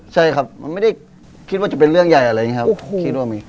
ใช่ครับมันไม่ได้คิดว่าจะเป็นเรื่องใหญ่อะไรอย่างนี้ครับคิดว่ามี